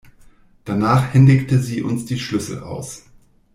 Danach händigte sie uns die Schlüssel aus.